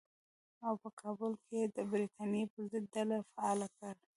او په کابل کې یې د برټانیې پر ضد ډله فعاله کړه.